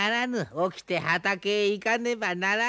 起きて畑へ行かねばならぬ。